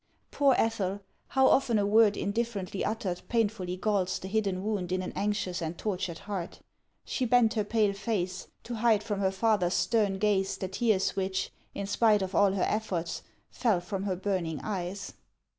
Poor Ethel ! how often a word indifferently uttered, painfully galls the hidden wound in an anxious and tortured heart ! She bent her pale face to hide from her father's stern gaze the tears which, in spite of all her efforts, fell from her burning eyes.